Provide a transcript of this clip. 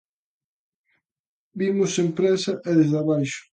"Vimos sen présa e desde abaixo".